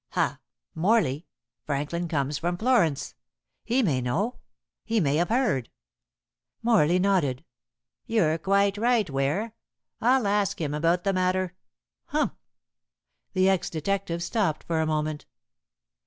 Ha! Morley. Franklin comes from Florence. He may know he may have heard." Morley nodded. "You're quite right, Ware. I'll ask him about the matter. Humph!" The ex detective stopped for a moment.